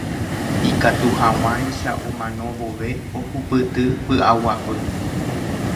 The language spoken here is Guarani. Ikatuhag̃uáicha omano vove ohupyty py'aguapy.